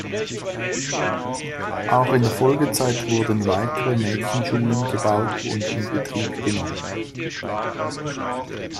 Auch in der Folgezeit wurden weitere Mädchenschulen gebaut und in Betrieb genommen.